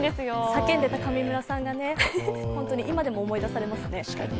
叫んでた上村さんが本当に今でも思い出されますね。